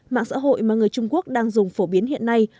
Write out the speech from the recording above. mạng xã hội mà người trung quốc đang dùng phổ biến hiện nay